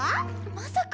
まさか。